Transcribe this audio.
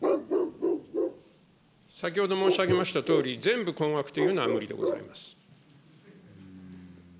先ほど申し上げましたとおり、全部困惑というのは無理でございます。